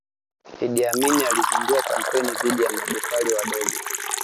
Idi Amin alizindua kampeni dhidi ya mabepari wadogo